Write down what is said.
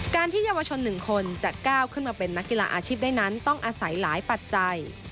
ที่เยาวชน๑คนจะก้าวขึ้นมาเป็นนักกีฬาอาชีพได้นั้นต้องอาศัยหลายปัจจัย